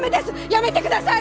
やめてください！